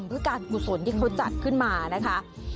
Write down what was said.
เพื่อการกุศลที่เขาจัดขึ้นมานะคะ